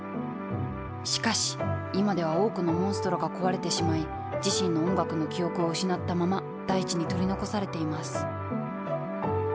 しかし今では多くのモンストロが壊れてしまい自身の音楽の記憶を失ったまま大地に取り残されています。